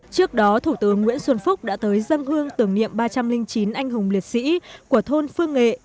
trước đó thủ tướng nguyễn xuân phúc đã tới dân hương tưởng niệm ba trăm linh chín anh hùng liệt sĩ của thôn phương nghệ